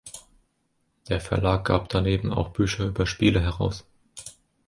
Der Verlag gab daneben auch Bücher über Spiele heraus.